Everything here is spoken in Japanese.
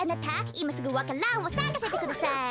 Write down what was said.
いますぐわか蘭をさかせてください。